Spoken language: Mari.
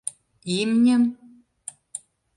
— Имньым?